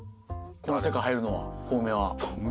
この世界入るのはコウメは。